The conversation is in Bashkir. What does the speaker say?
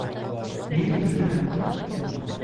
Мин Өфөнән